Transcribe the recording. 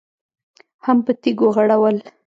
هم په تيږو غړول.